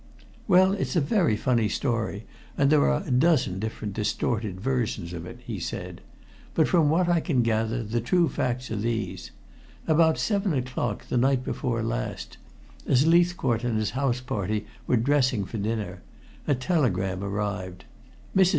"Well, it's a very funny story, and there are a dozen different distorted versions of it," he said. "But from what I can gather the true facts are these: About seven o'clock the night before last, as Leithcourt and his house party were dressing for dinner, a telegram arrived. Mrs.